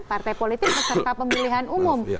partai politik peserta pemilihan umum